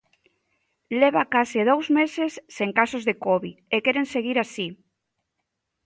Leva case dous meses sen casos de covid e queren seguir así.